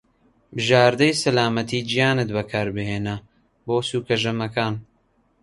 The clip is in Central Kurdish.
بژادەری سەلامەتی گیانت بەکاربهێنە بۆ سوکە ژەمەکان.